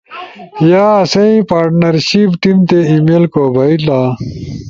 ت یا آسئی پارٹنرشپ ٹیم تے ای میل کو بھئیلا۔